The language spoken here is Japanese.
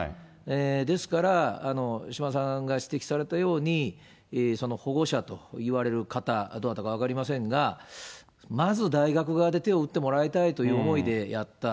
ですから、島田さんが指摘されたように、保護者といわれる方、どなたか分かりませんが、まず大学側で手を打ってもらいたいという思いでやった。